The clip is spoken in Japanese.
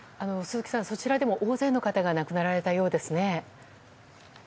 そちらでも大勢の方が亡くなられたようですね。